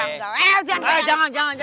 eh jangan jangan jangan